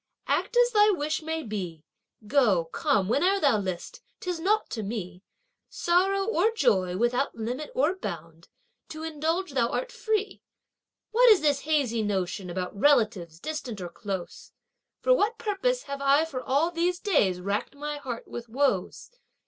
Act as thy wish may be! go, come whene'er thou list; 'tis naught to me. Sorrow or joy, without limit or bound, to indulge thou art free! What is this hazy notion about relatives distant or close? For what purpose have I for all these days racked my heart with woes?